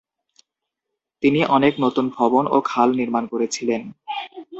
তিনি অনেক নতুন ভবন এবং খাল নির্মাণ করেছিলেন।